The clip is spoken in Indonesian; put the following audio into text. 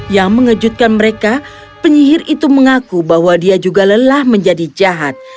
yang mengejutkan mereka penyihir itu mengaku bahwa dia juga lelah menjadi jahat